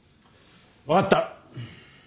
分かった。